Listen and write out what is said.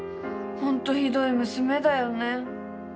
ほんとひどい娘だよね。